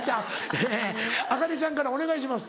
えあかねちゃんからお願いします。